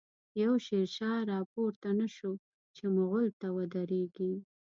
يو” شير شاه “راپورته نه شو، چی ” مغل” ته ودريږی